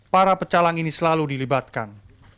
para pecalang ini selalu dilibatkan